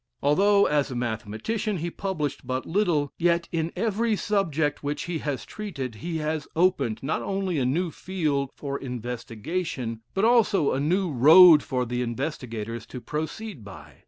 Although, as a mathematician, he published but little, yet in every subject which he has treated he has opened, not only a new field lor investigation, but also a new road for the investigators to proceed by.